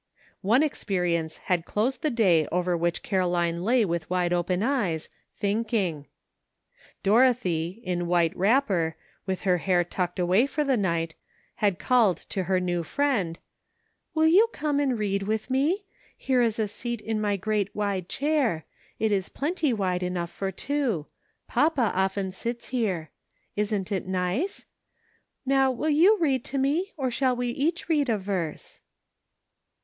Qne experience had closed the day over which Caroline lay with wide open eyes, thinking. Dorothy, in white wrapper, with her hair tucked away for the night, had called to her new friend :'' Will you come and read with me ? Here is a seat in my great wide chair ; it is plenty wide enough for two ; papa often sits here. Isn't it nice? Now will you read to me, or shall we each read a verse